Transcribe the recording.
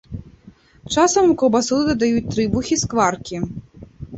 Часам у каўбасу дадаюць трыбухі, скваркі.